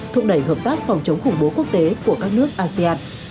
thúc đẩy hợp tác phòng chống khủng bố quốc tế của các nước asean